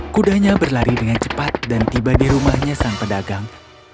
kudanya berlari dengan cepat dan tiba di rumahnya sang pedagang